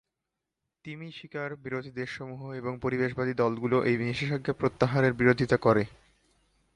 তিমি-শিকার বিরোধী দেশসমূহ এবং পরিবেশবাদী দলগুলো এই নিষেধাজ্ঞা প্রত্যাহারের বিরোধিতা করে।